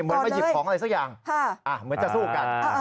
เหมือนมาหยิบของอะไรสักอย่างเหมือนจะสู้กัน